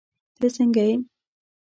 تہ سنګه یی